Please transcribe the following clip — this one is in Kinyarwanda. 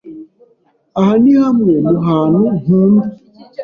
Aha ni hamwe mu hantu nkunda.